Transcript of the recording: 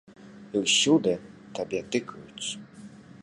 І ўсюды табе тыкаюць.